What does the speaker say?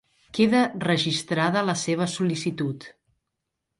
Queda registrada la seva sol·licitud.